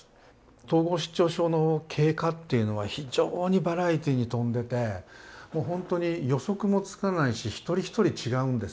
統合失調症の経過というのは非常にバラエティーに富んでて本当に予測もつかないし一人一人違うんですよね。